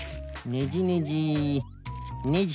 ねじねじねじ。